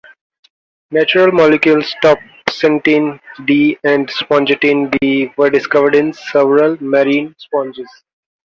Natural molecules topsentin D and spongotine B were discovered in several marine sponges.